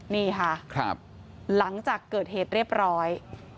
นี่ค่ะหลังจากเกิดเหตุเรียบร้อย